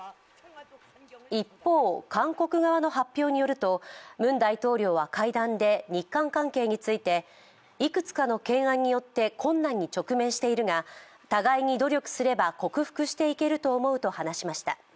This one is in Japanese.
一方、韓国側の発表によるとムン大統領は会談で日韓関係について、いくつかの懸案によって困難に直面しているが、互いに努力すれば克服していけると思うと話しました。